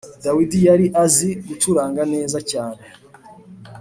Dawidi yari azi gucuranga neza cyane.